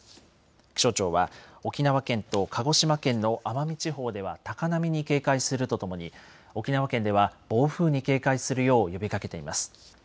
気象庁は沖縄県と鹿児島県の奄美地方では高波に警戒するとともに沖縄県では暴風に警戒するよう呼びかけています。